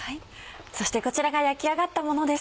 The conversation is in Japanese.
そしてこちらが焼き上がったものです。